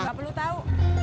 gak perlu tau